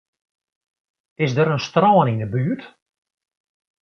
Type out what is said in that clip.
Is der in strân yn 'e buert?